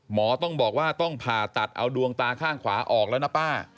หมอต้องบอกว่าต้องผ่าตัดเอาดวงตาข้างขวาออกแล้วนะป้า